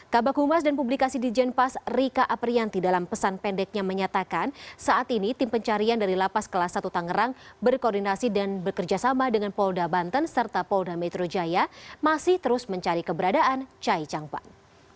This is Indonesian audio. kabak humas dan publikasi di jenpas rika aprianti dalam pesan pendeknya menyatakan saat ini tim pencarian dari lapas kelas satu tangerang berkoordinasi dan bekerjasama dengan polda banten serta polda metro jaya masih terus mencari keberadaan chai changpan